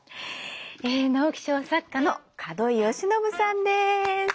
直木賞作家の門井慶喜さんです。